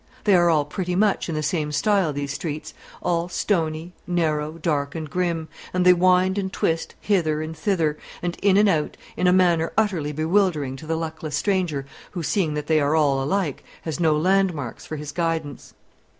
They are all pretty much in the same style, these streets, all stony, narrow, dark, and grim; and they wind and twist hither and thither, and in and out, in a manner utterly bewildering to the luckless stranger, who, seeing that they are all alike, has no landmarks for his guidance.